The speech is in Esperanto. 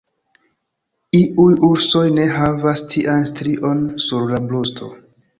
Iuj ursoj ne havas tian strion sur la brusto.